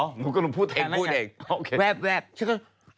อ๋อหนูก็หนูพูดแทนแล้วค่ะแกพูดเองแวบฉันก็